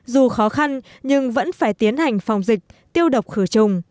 dù khó khăn nhưng vẫn phải tiến hành phòng dịch tiêu độc khử trùng